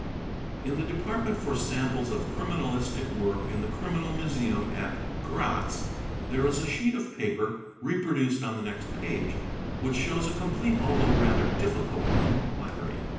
In the department for samples of criminalistic work in the criminal museum at Gratz there is a sheet of paper (reproduced on the next page) which shows a complete although rather difficult enquiry.